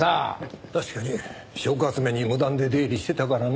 確かに証拠集めに無断で出入りしてたからね。